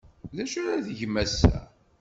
D acu ara tgem ass-a?